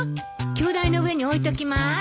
鏡台の上に置いときます。